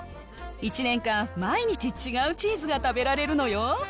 １年間、毎日違うチーズが食べられるのよ。